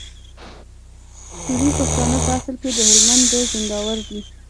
سوري پښتانه په اصل کي د هلمند د زينداور دي